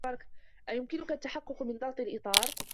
أيمكنك التحقق من ضغط الإطار؟